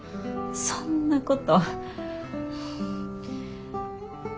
そんなこと。